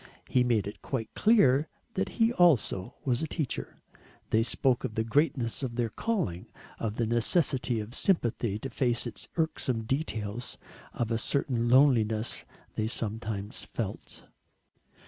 He made it quite clear that he also was a teacher. They spoke of the greatness of their calling, of the necessity of sympathy to face its irksome details, of a certain loneliness they sometimes felt.